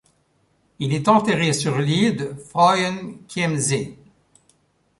Il est enterré sur l'île de Frauenchiemsee.